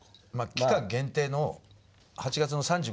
期間限定の８月の３５周年のね